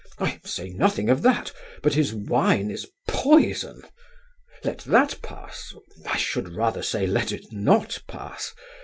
I say nothing of that; but his wine is poison. Let that pass I should rather say, let it not pass!